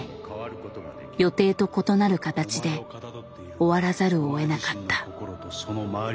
予定と異なる形で終わらざるをえなかった。